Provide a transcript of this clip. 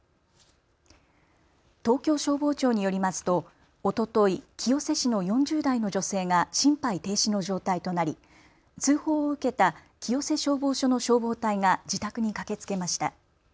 東京消防庁によりますとおととい清瀬市の４０代の女性が心肺停止の状態となり通報を受けた清瀬消防署の消防隊が自宅に駆けつけました。